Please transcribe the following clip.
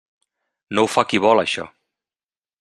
No ho fa qui vol això.